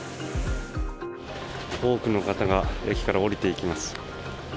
多くの方が駅から下りていきます。